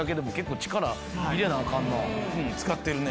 うん使ってるね。